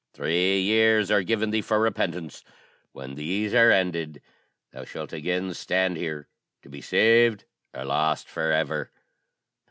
Three years are given thee for repentance; when these are ended, thou shalt again stand here, to be saved or lost for ever.'